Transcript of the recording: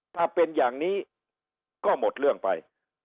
ถ้าเป็นอย่างนี้ก็หมดเรื่องไป